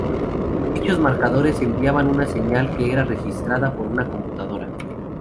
Dichos marcadores enviaban una señal que era registrada por una computadora.